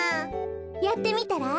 やってみたら？